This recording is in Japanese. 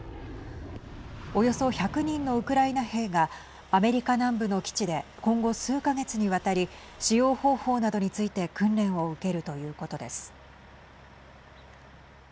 およそ１００人のウクライナ兵がアメリカ南部の基地で今後、数か月にわたり使用方法などについて訓練を受けるということです。